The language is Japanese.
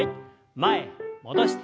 前戻して。